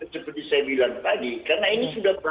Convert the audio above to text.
seperti saya bilang tadi karena ini sudah